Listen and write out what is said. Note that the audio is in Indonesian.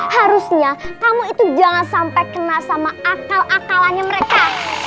harusnya kamu itu jangan sampai kena sama akal akalannya mereka